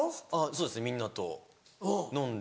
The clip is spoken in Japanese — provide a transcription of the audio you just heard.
そうですねみんなと飲んで。